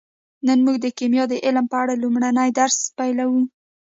نن موږ د کیمیا د علم په اړه لومړنی درس پیلوو